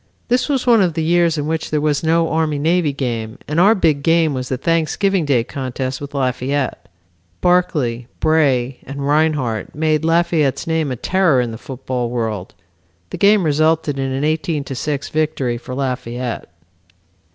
This was one of the years in which there was no Army and Navy game and our big game was the Thanksgiving Day contest with Lafayette. Barclay, Bray and Rinehart made Lafayette's name a terror in the football world. The game resulted in an 18 to 6 victory for Lafayette.